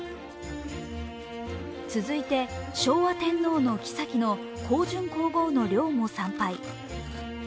続いて、昭和天皇の妃の香淳皇后の陵も参拝。